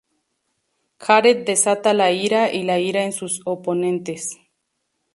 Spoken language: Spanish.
Jared desata la ira y la ira en sus oponentes.